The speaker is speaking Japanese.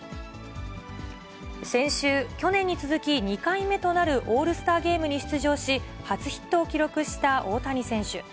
先週、去年に続き２回目となるオールスターゲームに出場し、初ヒットを記録した大谷選手。